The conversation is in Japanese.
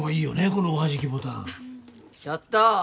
このおはじきボタンちょっと！